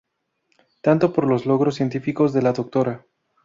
Tanto por los logros científicos de la Dra.